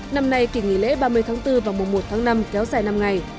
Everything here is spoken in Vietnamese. năm nay kỷ nghỉ lễ ba mươi tháng bốn và mùa một tháng năm kéo dài năm ngày